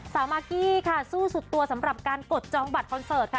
มากกี้ค่ะสู้สุดตัวสำหรับการกดจองบัตรคอนเสิร์ตค่ะ